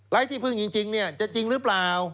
ที่พึ่งจริงจะจริงหรือเปล่า